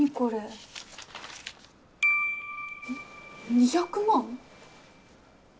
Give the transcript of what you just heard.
「２００万」？